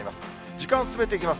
時間を進めていきます。